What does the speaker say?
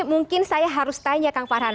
mungkin saya harus tanya kang farhan